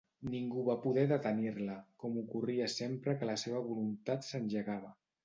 Ningú va poder detenir-la, com ocorria sempre que la seva voluntat s'engegava.